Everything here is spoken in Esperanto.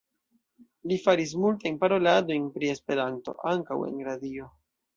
Li faris multajn paroladojn pri Esperanto, ankaŭ en radio.